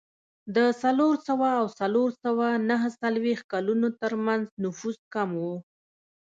د څلور سوه او څلور سوه نهه څلوېښت کلونو ترمنځ نفوس کم و